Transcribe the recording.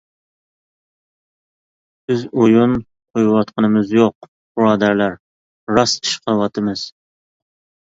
بىز ئويۇن قويۇۋاتقىنىمىز يوق، بۇرادەرلەر، راست ئىش قىلىۋاتىمىز!